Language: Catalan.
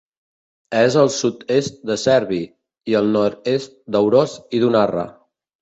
És al sud-est de Cerbi i al nord-est d'Aurós i d'Unarre.